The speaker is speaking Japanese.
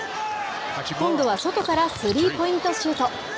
今度は外からスリーポイントシュート。